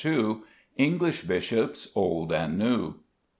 ENGLISH BISHOPS, OLD AND NEW.